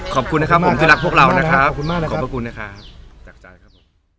ขอบคุณนะครับผมที่รักพวกเรานะครับขอบคุณมากนะครับขอบคุณนะครับ